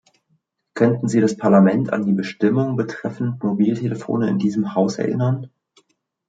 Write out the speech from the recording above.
Könnten Sie das Parlament an die Bestimmung betreffend Mobiltelefone in diesem Haus erinnern?